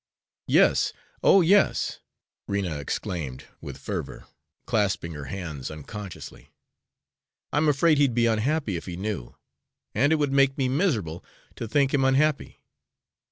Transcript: "Yes, oh, yes," Rena exclaimed with fervor, clasping her hands unconsciously. "I'm afraid he'd be unhappy if he knew, and it would make me miserable to think him unhappy."